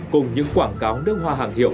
cùng những quảng cáo nước hoa hàng hiệu